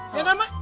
iya kan pak